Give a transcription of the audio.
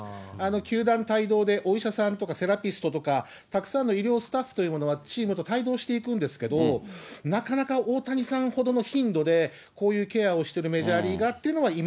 球団帯同でお医者さんとかセラピストとかたくさんの医療スタッフというものは、チームと帯同していくんですけど、なかなか大谷さんほどの頻度で、こういうケアをしてるメジャーリーガーっていう